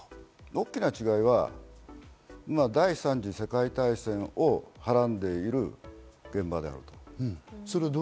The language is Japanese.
大きな違いは第三次世界大戦をはらんでいる現場であると。